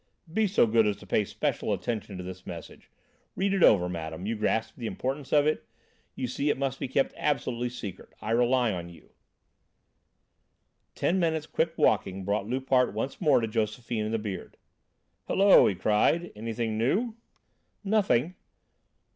"Be so good as to pay special attention to this message. Read it over, madam. You grasp the importance of it? You see it must be kept absolutely secret. I rely on you." Ten minutes' quick walking brought Loupart once more to Josephine and the Beard. "Hullo!" he cried. "Anything new?" "Nothing."